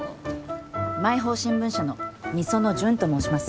毎報新聞社の御園純と申します。